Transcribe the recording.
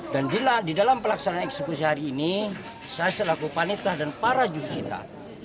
dan di dalam pelaksanaan eksekusi hari ini saya selaku panitah dan para jurusita